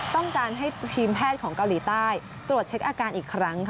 ต้องการให้ทีมแพทย์ของเกาหลีใต้ตรวจเช็คอาการอีกครั้ง